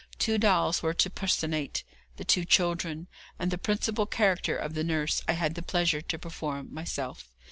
Two dolls were to personate the two children, and the principal character of the nurse I had the pleasure to perform myself.